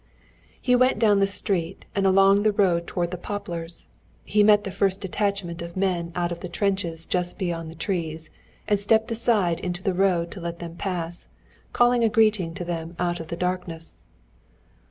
He went down the street and along the road toward the poplars. He met the first detachment of men out of the trenches just beyond the trees, and stepped aside into the mud to let them pass, calling a greeting to them out of the darkness.